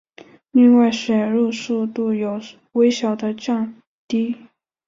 另外写入速度有微小的降低。